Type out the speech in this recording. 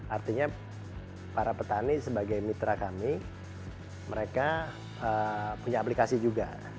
artinya para petani sebagai mitra kami mereka punya aplikasi juga